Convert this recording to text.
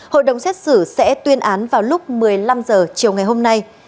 hội đồng xét xử sẽ tuyên án vào lúc một mươi năm h chiều ngày hôm nay